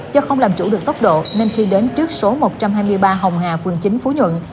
do không làm chủ được tốc độ nên khi đến trước số một trăm hai mươi ba hồng hà phường chín phú nhuận